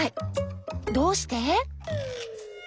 どうして？